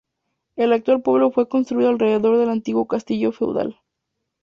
El actual pueblo fue construido alrededor del antiguo castillo feudal.